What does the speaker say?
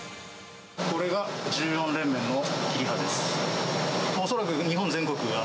これが１４連麺の切刃です。